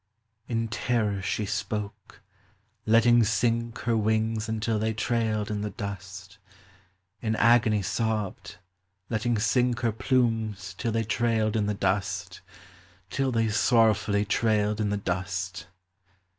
In terror she spoke, letting sink her Wings until they trailed in the dust ; In agony sobbed, letting sink her Plumes till they trailed in the dust, Till they sorrowfully trailed in the dust.